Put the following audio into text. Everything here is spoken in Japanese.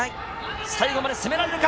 最後まで攻められるか。